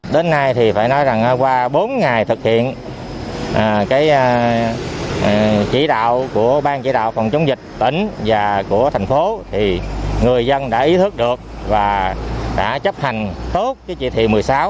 đến nay thì phải nói rằng qua bốn ngày thực hiện chỉ đạo của bang chỉ đạo phòng chống dịch tỉnh và của thành phố thì người dân đã ý thức được và đã chấp hành tốt chỉ thị một mươi sáu